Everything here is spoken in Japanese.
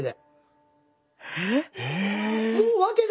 えっ。